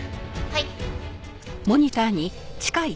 はい。